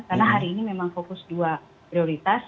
karena hari ini memang fokus dua prioritas